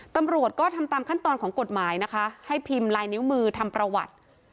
ตำรวจก็ทำตามขั้นตอนของกฎหมายนะคะให้พิมพ์ลายนิ้วมือทำประวัติ